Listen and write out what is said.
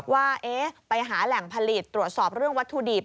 ว่าไปหาแหล่งผลิตตรวจสอบเรื่องวัตถุดิบ